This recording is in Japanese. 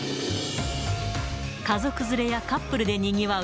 家族連れやカップルでにぎわう